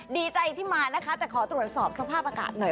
ดีใจที่มานะคะแต่ขอตรวจสอบสภาพอากาศหน่อย